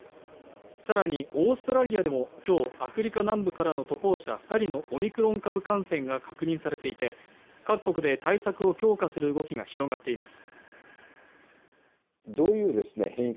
更に、オーストラリアでも今日アフリカ南部からの渡航者２人のオミクロン株感染が確認されていて、各国で対策を強化する動きが広がっています。